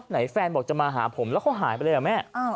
แฟนบอกจะมาหาผมแล้วเขาหายไปเลยเหรอแม่